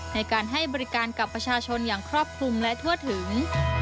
ในการให้บริการกับประชาชนอย่างครอบคลุมและทั่วถึง